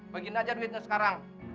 bagiin aja duitnya sekarang